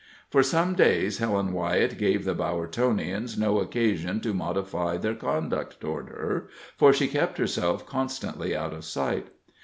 For some days Helen Wyett gave the Bowertonians no occasion to modify their conduct toward her, for she kept herself constantly out of sight.